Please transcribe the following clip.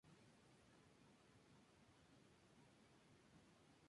El periodista Mauricio Fernandini recibe en el programa a un experimentado cocinero.